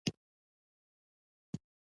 د پښتو ژبې يو مشر ليکوال